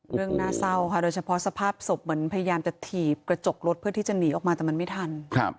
เรื่องน่าเศร้าค่ะโดยเฉพาะสภาพศพเหมือนพยายามจะถีบกระจกรถเพื่อที่จะหนีออกมาแต่มันไม่ทัน